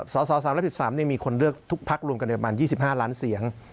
สส๓๑๓ภักดิ์เนี่ยมีคนเลือกทุกภักดิ์รวมกันอยู่ประมาณ๒๕ล้านเสียง